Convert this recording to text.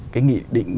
cái nghị định